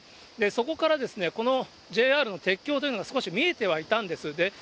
そこから、このＪＲの鉄橋というのが少し見えてはいたんです。